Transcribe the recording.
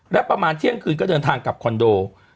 และประมาณเที่ยงคืนก็เดินทางกลับคอนโด